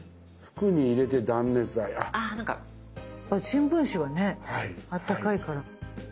新聞紙はねあったかいから。